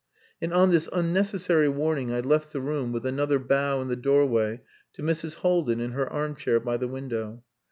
And on this unnecessary warning I left the room with another bow in the doorway to Mrs. Haldin in her armchair by the window.